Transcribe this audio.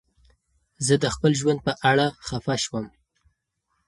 زه د خپل ژوند په اړه خفه شوم.